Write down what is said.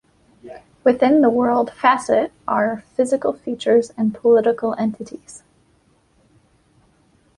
Within the World facet are Physical Features and Political Entities.